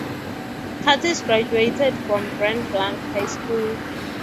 Curtis graduated from Grand Blanc High School.